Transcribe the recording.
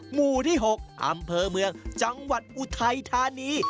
หมู่ที่๖อำเภอเมืองจังหวัดอุทัยธานี